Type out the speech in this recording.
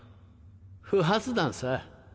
不発弾さ。